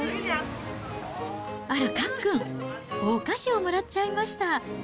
あら、かっくん、お菓子をもらっちゃいました。